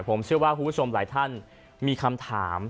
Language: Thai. ผมเชื่อว่าคุณผู้ชมหลายท่านมีคำถาม